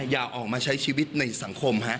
อย่าออกมาใช้ชีวิตในสังคม